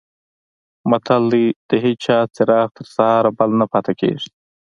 متل دی: د هېچا چراغ تر سهاره بل نه پاتې کېږي.